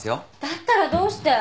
だったらどうして！